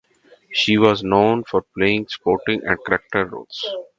She was known for playing supporting and character roles.